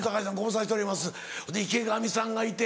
そして池上さんがいて。